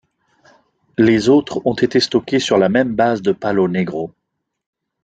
Les autres ont été stockés sur la même base de Palo Negro.